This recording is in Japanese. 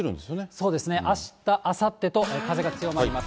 そうですね、あした、あさってと風が強くなります。